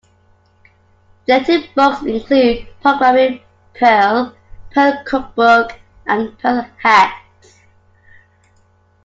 Related books include "Programming Perl", "Perl Cookbook", and "Perl Hacks".